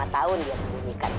lima tahun dia sembunyikan